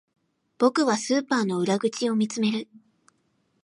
僕はスーパーの裏口を見つめる